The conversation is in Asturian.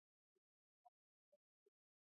Al que-y duelen les tripes que s'arrasque.